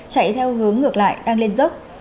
chạy theo hướng ngược lại đang lên dốc